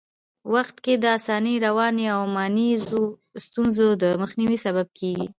وخت کي د اسانۍ، روانۍ او مانیزو ستونزو د مخنیوي سبب کېږي.